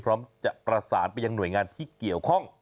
พร้อมจะประสานไปยังหน่วยงานที่เกี่ยวข้อง